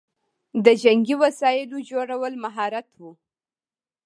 د جنګي وسایلو جوړول مهارت و